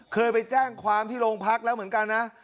เคยไปแจ้งความที่โรงพักแล้วเหมือนกันนะ